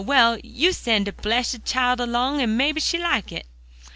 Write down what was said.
well, you send de bressed chile along, and mabbe she'll like it."